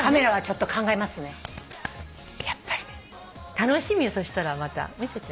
楽しみよそしたらまた見せて。